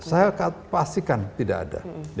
saya pastikan tidak ada